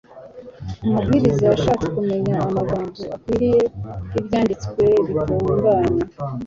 umubwiriza yashatse kumenya amagambo akwiriye y'ibyanditswe bitunganye